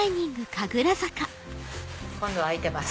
今度は開いてます！